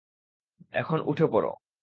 এখন উঠে পড়ো।